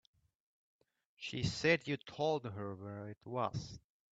She said you told her where it was.